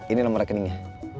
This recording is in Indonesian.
ini nomor rekeningnya